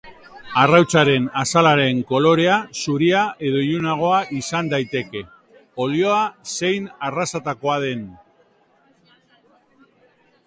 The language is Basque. Arrautzaren azalaren kolorea zuria edo ilunagoa izan daiteke, oiloa zein arrazatakoa den.